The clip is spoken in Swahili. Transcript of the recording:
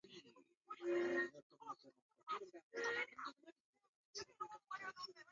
ili kukabiliana na mabadiliko ya tabia nchi na umaskini ambayo ndio malengo ya haraka